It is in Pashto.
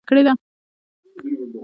آیا هغه ټولنې وده تجربه کړې ده.